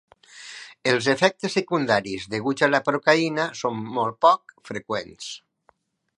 Els efectes secundaris deguts a la procaïna són molt poc freqüents.